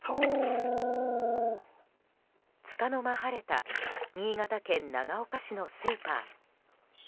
つかの間、晴れた新潟県長岡市のスーパー。